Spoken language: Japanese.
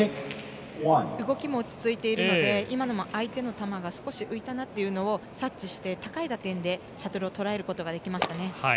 動きも落ち着いているので今のも相手の球が浮いたなというのを察知して高い打点でシャトルをとらえることができました。